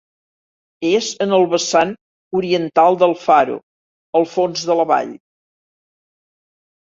És en el vessant oriental del Faro, al fons de la vall.